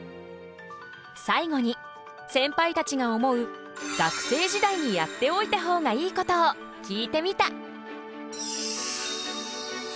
最後にセンパイたちが思う学生時代にやっておいた方がいいことを聞いてみた。